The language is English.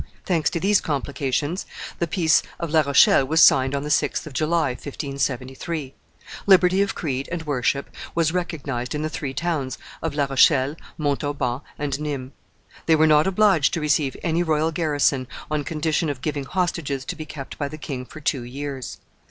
Thanks to these complications, the peace of La Rochelle was signed on the 6th of July, 1573. Liberty of creed and worship was recognized in the three towns of La Rochelle, Montauban, and Nimes. They were not obliged to receive any royal garrison, on condition of giving hostages to be kept by the king for two years.